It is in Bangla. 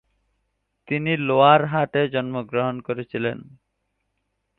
তিনি লোয়ার হাটে জন্মগ্রহণ করেছিলেন।